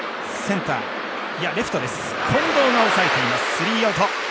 スリーアウト。